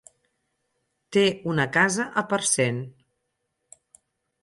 Té una casa a Parcent.